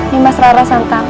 nimas rara santan